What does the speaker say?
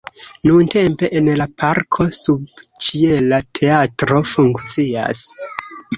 Nuntempe en la parko subĉiela teatro funkcias.